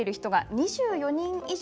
２４人以上？